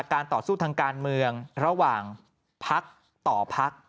ต่อสู้ทางการเมืองระหว่างพักต่อพัก